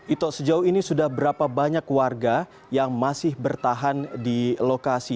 ito sejauh ini sudah berapa banyak warga yang masih bertahan di lokasi